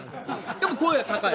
でも声が高い。